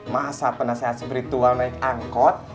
masa penasehat spiritual naik angkot